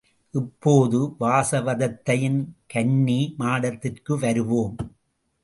இப்போது வாசவதத்தையின் கன்னி மாடத்திற்கு வருவோம்.